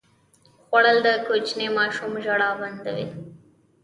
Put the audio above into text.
خوړل د کوچني ماشوم ژړا بنده وي